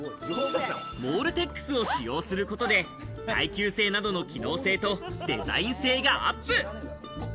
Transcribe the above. モールテックスを使用することで、耐久性などの機能性とデザイン性がアップ。